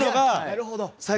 なるほど！